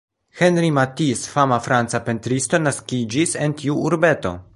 Henri Matisse, fama franca pentristo, naskiĝis en tiu urbeto.